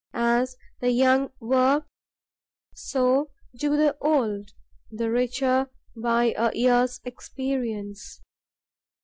As the young worked, so do the old, the richer by a year's experience.